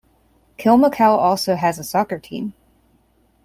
Kilmacow also has a soccer team.